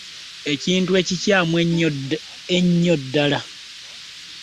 Ekintu ekikyamu ennyo ddala.